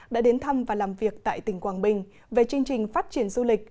đã đến thăm và làm việc tại tỉnh quảng bình về chương trình phát triển du lịch